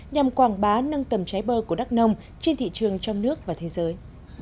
nhằm quảng bá nâng tầm trái bơ của đắk nông trên thị trường trong nước và thế giới